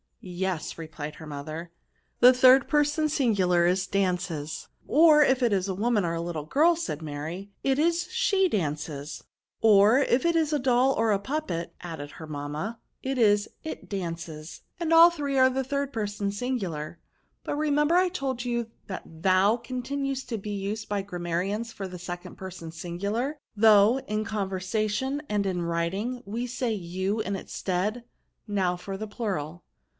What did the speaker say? '* Yes," replied her mother, the third person singular is dances.^^ Or, if it is a woman, or a little girl," said Mary, " it is she ^nces." '^ Or, if it is a doll, or a puppet," added u SI 8 VERBS. her mamma, " it is it dances; and all three are the third person singular. But remember I told you that thou continues to be used by grammarians for the second person singular ; though, in conversation and in writing, we say you in its stead. Now for the plural."